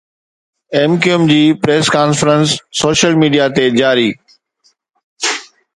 M Q M جي press conference social media تي جاري